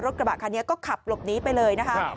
กระบะคันนี้ก็ขับหลบหนีไปเลยนะคะ